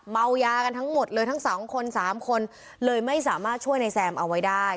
เมายากันทั้งหมดเลยทั้งสองคนสามคนเลยไม่สามารถช่วยในแซมเอาไว้ได้